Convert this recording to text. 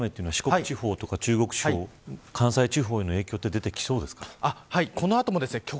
今後この雨四国地方とか中国地方関西地方に影響出てきそうですか。